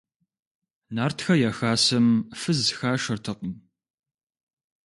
Нартхэ я хасэм фыз хашэртэкъым.